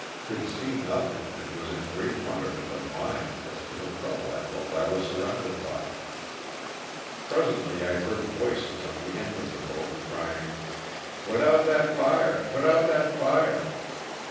Could see nothing and was in a great wonder ment of mind as to the trouble I felt I was surrounded by. Presently I heard voices on the end of the boat crying, " Put out that fire, put out that fire